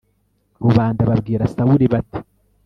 rubanda babwira sawuli, bati